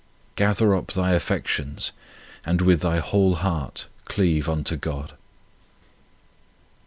Gather up thy affections, and with thy whole heart cleave unto God.